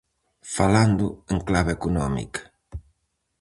Falando en clave económica.